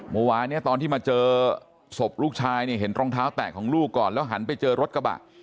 เมื่อวานเนี่ยตอนที่มาเจอศพลูกชายเนี่ยเห็นรองเท้าแตกของลูกก่อนแล้วหันไปเจอรถกระบะ